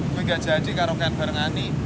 gue gak jadi karo kain bareng ani